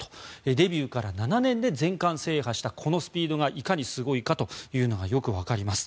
デビューから７年で全冠制覇したこのスピードがいかにすごいかというのがよくわかります。